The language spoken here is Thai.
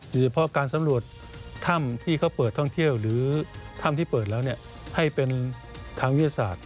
โดยเฉพาะการสำรวจถ้ำที่เขาเปิดท่องเที่ยวหรือถ้ำที่เปิดแล้วให้เป็นทางวิทยาศาสตร์